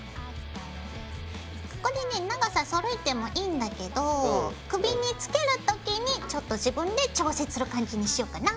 これね長さそろえてもいいんだけど首につける時にちょっと自分で調整する感じにしようかな。